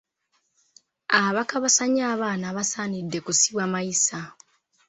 Abakabasanya abaana basaanidde kusibwa mayisa.